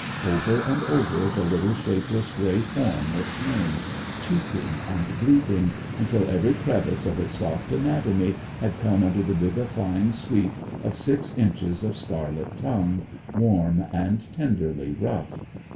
Over and over the little shapeless grey form was turned, cheeping and bleating, until every crevice of its soft anatomy had come under the vivifying sweep of six inches of scarlet tongue, warm and tenderly rough.